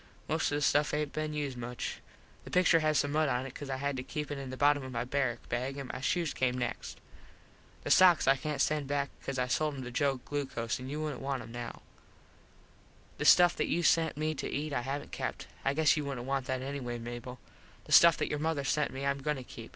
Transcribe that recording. Most of the stuff aint been used much. The pictur has some mud on it cause I had to keep it in the bottom of my barrak bag an my shoes came next. The sox I cant send back cause I sold em to Joe Glucos an you wouldnt want em now. [Illustration: "THE LAST TIME I WILL TAKE MY PEN IN HAND FOR YOU"] The stuff that you sent me to eat I havnt kept. I guess you wouldnt want that anyway Mable. The stuff that your mother sent me Im going to keep.